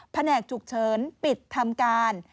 แหนกฉุกเฉินปิดทำการ